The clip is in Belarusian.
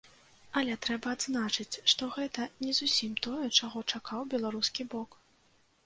Але трэба адзначыць, што гэта не зусім тое, чаго чакаў беларускі бок.